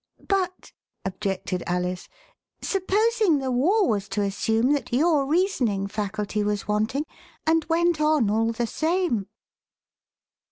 But," objected Alice, supposing the war was to assume that your reasoning faculty was wanting, and went on all the same